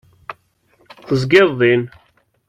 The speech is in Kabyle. Tezgiḍ din.